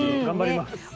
頑張ります。